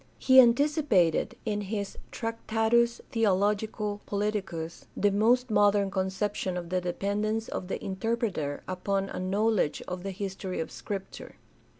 He anticipated, in his Tractatus theologico politicus, the most modern conception of the depend ence of the interpreter upon a knowledge of the history of Scripture.